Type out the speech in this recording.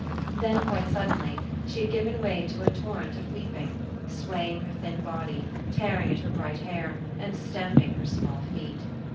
Then, quite sud denly, she had given way to a torrent of weep ing, swaying her thin body, tearing at her bright hair, and stamping her small feet.